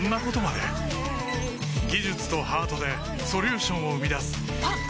技術とハートでソリューションを生み出すあっ！